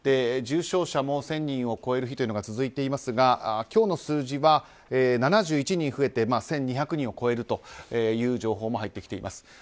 重症者も１０００人を超える日が続いていますが今日の数字は７１人増えて１２００人を超えるという情報も入ってきています。